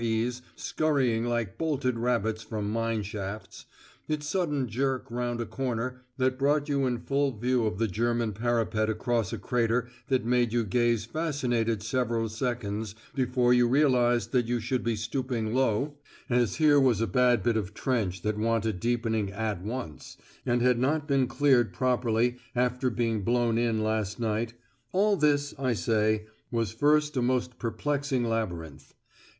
E.'s scurrying like bolted rabbits from mine shafts, its sudden jerk round a corner that brought you in full view of the German parapet across a crater that made you gaze fascinated several seconds before you realised that you should be stooping low, as here was a bad bit of trench that wanted deepening at once and had not been cleared properly after being blown in last night all this, I say, was at first a most perplexing labyrinth.